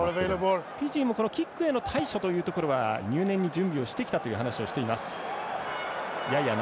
フィジーもキックへの対処というところは入念に準備をしてきたという話をしています。